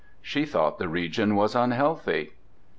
She thought the region was unhealthy.